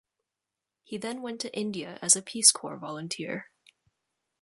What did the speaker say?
He then went to India as a Peace Corps volunteer.